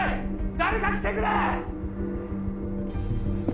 誰か来てくれ！